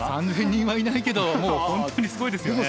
３，０００人はいないけどもう本当にすごいですよね。